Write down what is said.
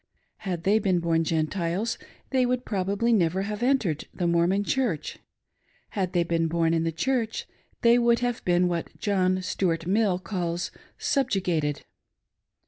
Had they been born Gentiles, they would probably never have entered the Mormon Church ; had they been born in the Church they would have been what John Stuart Mill calls " subju gated."